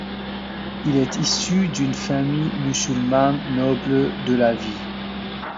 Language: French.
Il est issu d'une famille musulmane noble de la ville.